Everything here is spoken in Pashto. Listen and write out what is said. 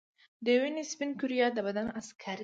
د وینې سپین کرویات د بدن عسکر دي